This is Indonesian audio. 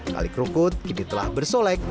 kali kerukut kini telah bersolek